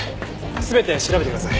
全て調べてください。